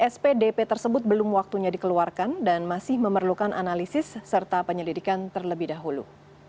spdp tersebut belum waktunya dikeluarkan dan masih memerlukan analisis serta penyelidikan terlebih dahulu